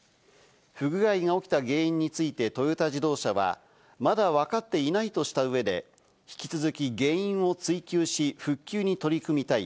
不具合が起きた原因についてトヨタ自動車はまだわかっていないとした上で、引き続き原因を追及し、復旧に取り組みたい。